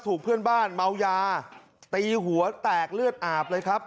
เพื่อนบ้านเมายาตีหัวแตกเลือดอาบเลยครับ